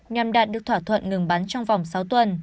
nhằm đạt được thỏa thuận ngừng bắn trong vòng sáu tuần